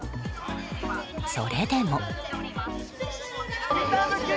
それでも。